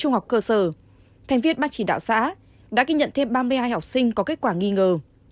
trung học cơ sở thành viên ban chỉ đạo xã đã ghi nhận thêm ba mươi hai học sinh có kết quả nghi ngờ